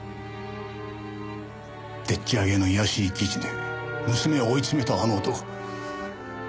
でっち上げの卑しい記事で娘を追い詰めたあの男。